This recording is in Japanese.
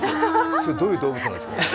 それ、どういう動物なんですか？